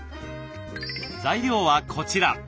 材料はこちら。